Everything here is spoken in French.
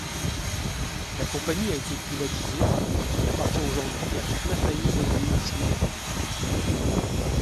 La compagnie a été privatisée et appartient aujourd'hui à Knafaim Holdings Ltd.